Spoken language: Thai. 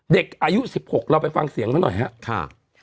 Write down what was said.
เด็กอายุสิบหกเราไปฟังเสียงเขาหน่อยฮะค่ะ